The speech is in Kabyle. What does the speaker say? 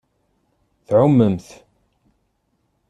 Tɛumemt.